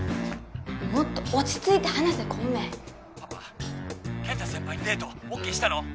もっと落ち着いて話せ小梅☎パパ健太先輩にデートＯＫしたの？